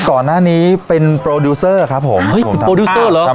ก่อนหน้านี้เป็นโปรดิวเซอร์ครับผมเฮ้ยโปรดิวเซอร์เหรอครับ